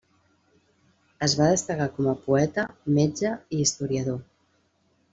Es va destacar com a poeta, metge i historiador.